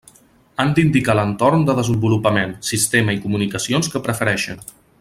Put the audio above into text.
Han d'indicar l'entorn de desenvolupament, sistema i comunicacions que preferixen.